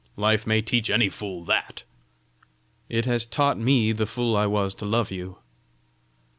Life may teach any fool that!" "It has taught me the fool I was to love you!"